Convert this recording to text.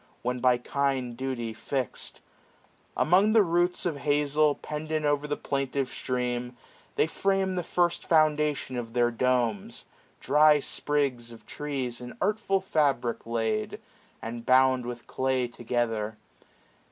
When by kind duty fix'd. Among the roots 645 Of hazel, pendant o'er the plaintive stream. They frame the first foundation of their domes j Dry sprigs of trees, in artful fabric laid. And bound with clay together.